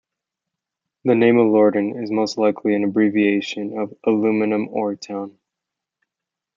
The name Alorton is most likely an abbreviation of "aluminum ore town".